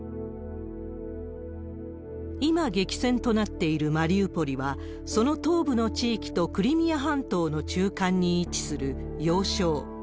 今激戦となっているマリウポリは、その東部の地域とクリミア半島の中間に位置する要衝。